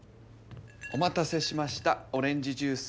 おまたせしましたオレンジジュースです。